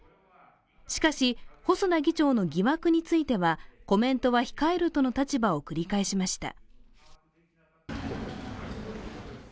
しかし、細田議長の疑惑についてはコメントは控えるとの立場を繰り返しました。